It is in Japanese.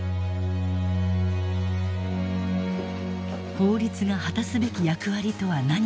法律が果たすべき役割とは何か。